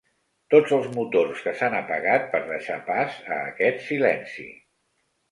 Tots els motors que s'han apagat per deixar pas a aquest silenci.